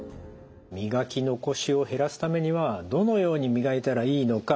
磨き残しを減らすためにはどのように磨いたらいいのか。